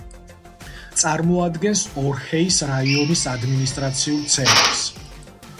წარმოადგენს ორჰეის რაიონის ადმინისტრაციულ ცენტრს.